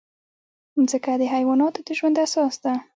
مځکه د حیواناتو د ژوند اساس ده.